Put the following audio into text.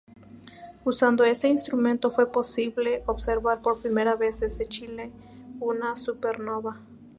Usando este instrumento fue posible observar por primera vez, desde Chile, una supernova.